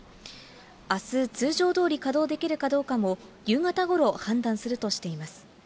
あす通常どおり稼働できるかどうかも、夕方ごろ、判断するとしています。